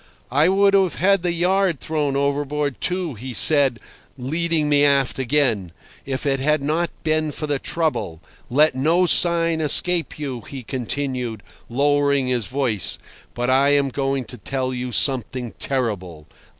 I would have had the yard thrown overboard, too, he said, leading me aft again, "if it had not been for the trouble. Let no sign escape you," he continued, lowering his voice, "but I am going to tell you something terrible.